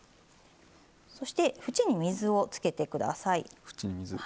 そして、縁に水をつけてください。